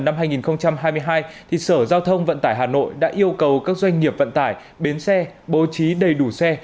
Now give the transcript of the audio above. năm hai nghìn hai mươi hai sở giao thông vận tải hà nội đã yêu cầu các doanh nghiệp vận tải bến xe bố trí đầy đủ xe